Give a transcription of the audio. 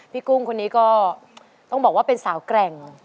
กุ้งคนนี้ก็ต้องบอกว่าเป็นสาวแกร่ง